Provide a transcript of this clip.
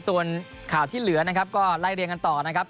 ส่วนข่าวที่เหลือนะครับก็ไล่เรียงกันต่อนะครับ